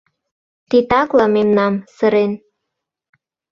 Титакла мемнам, сырен.